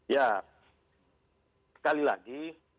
ya sekali lagi